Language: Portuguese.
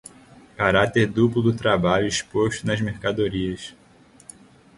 Carácter duplo do trabalho exposto nas mercadorias